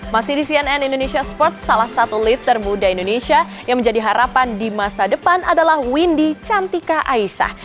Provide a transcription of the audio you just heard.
masih di cnn indonesia sports salah satu lifter muda indonesia yang menjadi harapan di masa depan adalah windy cantika aisah